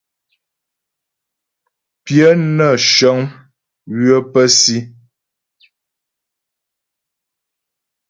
Pyə nə́ shəŋ ywə pə́ si.